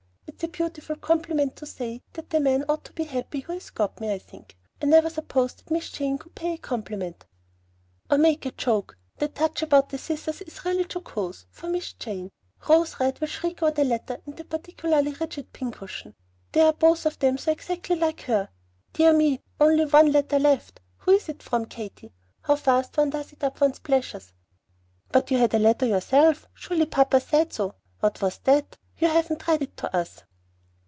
It's a beautiful compliment to say that the man ought to be happy who has got me, I think. I never supposed that Miss Jane could pay a compliment." "Or make a joke! That touch about the scissors is really jocose, for Miss Jane. Rose Red will shriek over the letter and that particularly rigid pincushion. They are both of them so exactly like her. Dear me! only one letter left. Who is that from, Katy? How fast one does eat up one's pleasures!" "But you had a letter yourself. Surely papa said so. What was that? You haven't read it to us."